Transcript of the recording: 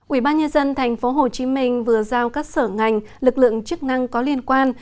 ủy ban nhân dân tp hcm vừa giao các sở ngành lực lượng chức năng có liên quan